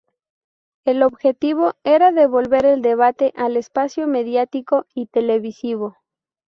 El objetivo era devolver el debate al espacio mediático y televisivo.